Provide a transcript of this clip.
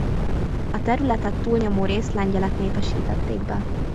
A területet túlnyomó részt lengyelek népesítették be.